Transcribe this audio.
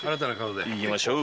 いきましょう。